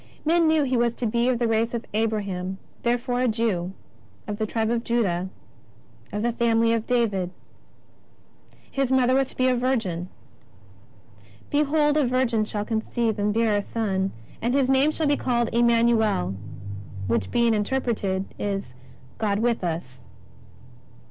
Men knew He was to be of the race of Abraham, therefore a Jew, of the Tribe of Judah, of the family of David. His Mother was to be a Virgin :" Behold a virgin shall conceive and bear a Son, and His name shall be called Emmanuel, which being interpreted, is God with us."